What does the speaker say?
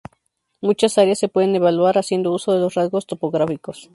Muchas áreas se pueden evaluar haciendo uso de los rasgos topográficos.